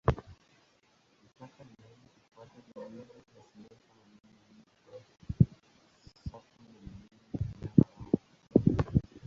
Mipaka inaweza kufuata vizuizi asilia kama vile mito, safu za milima, jangwa au bahari.